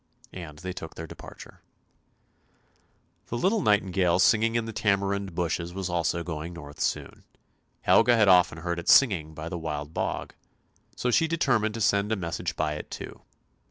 " And they took their departure. The little nightingale singing in the tamarind bushes was also going north soon ; Helga had often heard it singing by the Wild Bog, so she determined to send a message by it too.